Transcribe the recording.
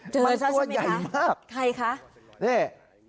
เจอเจ้าใช่ไหมครับมันตัวใหญ่มาก